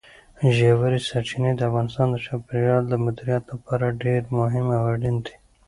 ژورې سرچینې د افغانستان د چاپیریال د مدیریت لپاره ډېر مهم او اړین دي.